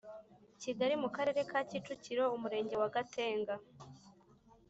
Kigali mu karere ka Kicukiro Umurenge wa Gatenga